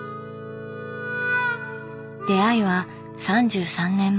出会いは３３年前。